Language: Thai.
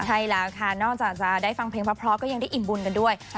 ใช่แล้วค่ะนอกจากจะได้ฟังเพลงเพราะก็ยังได้อิ่มบุญกันด้วย